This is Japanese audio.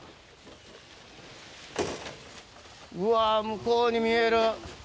うわ向こうに見える。